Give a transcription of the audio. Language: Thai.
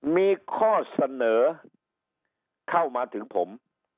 มีข้อเสนอเข้ามาถึงผม